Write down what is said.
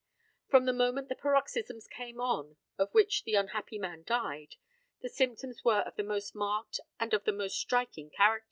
From the moment the paroxysms came on of which the unhappy man died, the symptoms were of the most marked and of the most striking character.